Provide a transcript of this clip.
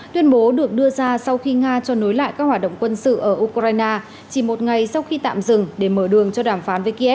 tuyên bố được đưa ra sau khi nga cho nối lại các hoạt động quân sự ở ukraine chỉ một ngày sau khi tạm dừng để mở đường cho đàm phán với kiev